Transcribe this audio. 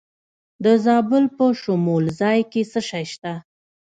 د زابل په شمولزای کې څه شی شته؟